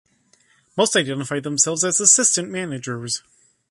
Most identify themselves as assistant managers.